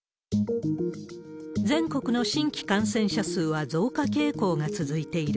全国の新規感染者数は増加傾向が続いている。